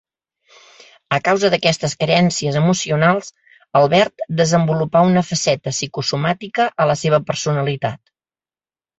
A causa d'aquestes carències emocionals, Albert desenvolupà una faceta psicosomàtica a la seva personalitat.